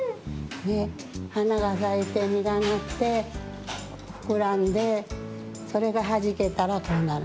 はながさいてみがなってふくらんでそれがはじけたらこうなるの。